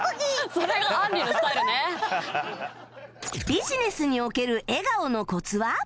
ビジネスにおける笑顔のコツは？